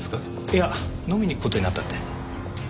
いや飲みに行く事になったって。